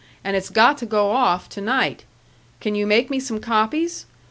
And it's got to go off to night. Can you make me some copies?